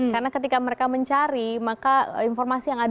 karena ketika mereka mencari maka informasi yang ada di google itu sendiri